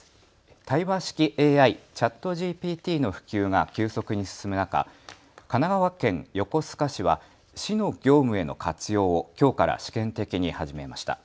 対話式ＡＩ、ＣｈａｔＧＰＴの普及が急速に進む中、神奈川県横須賀市は市の業務への活用をきょうから試験的に始めました。